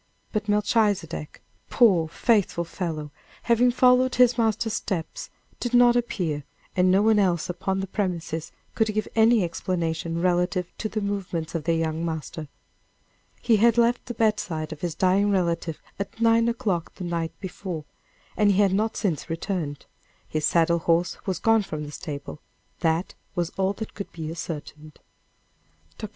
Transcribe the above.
But Melchizedek, poor, faithful fellow, having followed his master's steps, did not appear, and no one else upon the premises could give any explanation relative to the movements of their young master. He had left the bedside of his dying relative at nine o'clock the night before, and he had not since returned his saddle horse was gone from the stable that was all that could be ascertained. Dr.